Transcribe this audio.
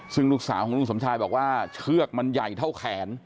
ซึ่งลูกสาวของลุงสมชายบอกว่าเชือกมันใหญ่เท่าแขน